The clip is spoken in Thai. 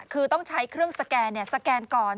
คือต้องใช้เครื่องสแกนสแกนก่อน